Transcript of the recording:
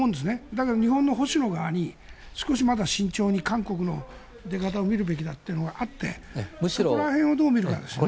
だけど日本の保守側に少しまだ慎重に韓国の出方を見るべきだというのがあってそこら辺をどう見るかですね。